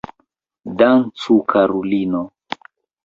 Dancu karulino!